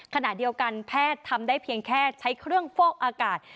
ขณะเดียวกันแพทย์ทำได้เพียงแค่ใช้เครื่องฟอกอากาศ